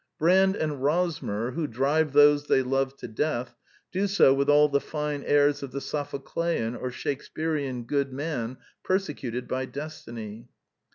Brand and Rosmer, who drive those they love to death, do so with all the fine airs of the Sophoclean or Shakespearean good man persecuted by Destiny.